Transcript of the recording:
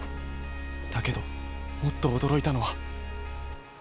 だけどもっとおどろいたのは。